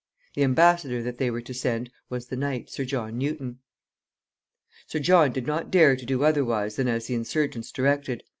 The embassador that they were to send was the knight, Sir John Newton. Sir John did not dare to do otherwise than as the insurgents directed.